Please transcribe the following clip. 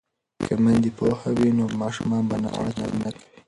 که میندې پوهې وي نو ماشومان به ناوړه چلند نه کوي.